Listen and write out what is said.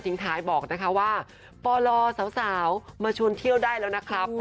ท้ายบอกนะคะว่าปลสาวมาชวนเที่ยวได้แล้วนะครับ